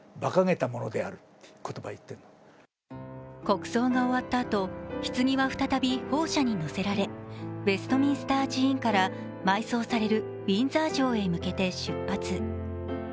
国葬が終わったあと、ひつぎは再び砲車に乗せられウェストミンスター寺院から埋葬されるウィンザー城へ向けて出発。